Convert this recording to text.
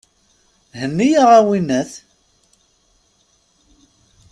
Henni-yaɣ, a winnat!